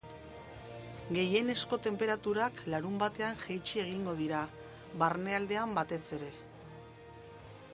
Gehienezko tenperaturak larunbatean jaitsi egingo dira, barnealdean batez ere.